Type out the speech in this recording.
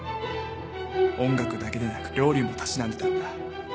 音楽だけでなく料理もたしなんでたんだ。